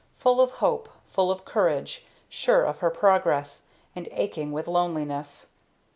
Full of hope, full of courage, sure of her progress and aching with loneliness.